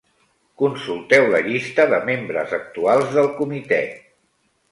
Consulteu la llista de membres actuals del comitè.